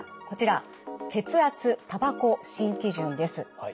こちら「血圧・タバコ新基準」です。